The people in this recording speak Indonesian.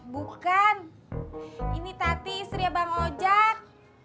bukan ini tati sriabang ojak